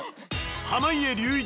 濱家隆一